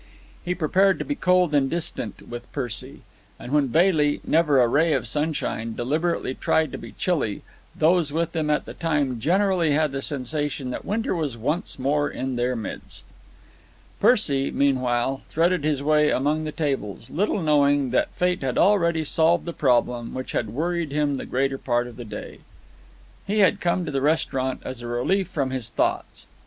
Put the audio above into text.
He prepared to be cold and distant with Percy. And when Bailey, never a ray of sunshine, deliberately tried to be chilly, those with him at the time generally had the sensation that winter was once more in their midst. Percy, meanwhile, threaded his way among the tables, little knowing that fate had already solved the problem which had worried him the greater part of the day. He had come to the restaurant as a relief from his thoughts.